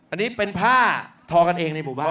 อันนี้เป็นผ้าทอกันเองในหมู่บ้าน